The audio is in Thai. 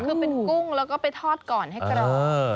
คือเป็นกุ้งแล้วก็ไปทอดก่อนให้กรอบ